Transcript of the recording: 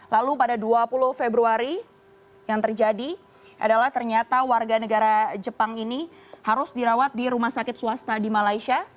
lalu pada dua puluh februari yang terjadi adalah ternyata warga negara jepang ini harus dirawat di rumah sakit swasta di malaysia